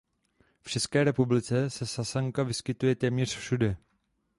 V České republice se sasanka vyskytuje téměř všude.